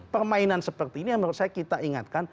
permainan seperti ini yang menurut saya kita ingatkan